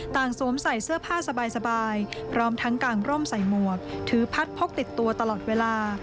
สวมใส่เสื้อผ้าสบายพร้อมทั้งกางร่มใส่หมวกถือพัดพกติดตัวตลอดเวลา